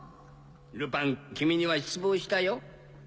ルパン君には失望したよ。